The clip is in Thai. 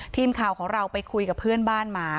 ทีมข่าวของเราไปคุยกับเพื่อนบ้านมา